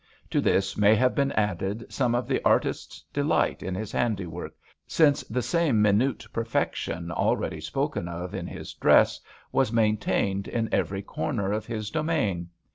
To this may have been added some of the artist's delight in his handy work, since the same minute perfection already spoken of in his dress was maintained in every corner of his domain.